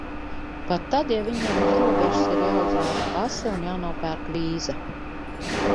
Pat tad, ja viņiem uz robežas ir jāuzrāda pase un jānopērk vīza.